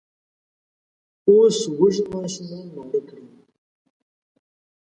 اوس وږي ماشومان ماړه کړئ!